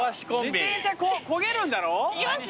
自転車こげるんだろ？いきます。